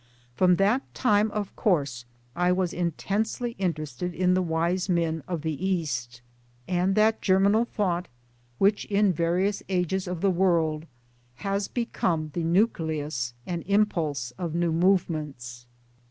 From that time of course I was intensely interested in the wise men of the East, and that germinal thought which in TRADE AND PHILOSOPHY .143 various ages of the world has become the nucleus and impulse of new movements.